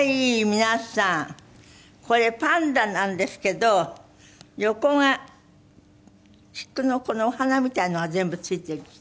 皆さんこれパンダなんですけど横が菊のこのお花みたいのが全部付いてる。